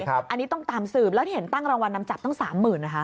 อันนี้ต้องตามสืบแล้วที่เห็นตั้งรางวัลนำจับตั้ง๓๐๐๐นะคะ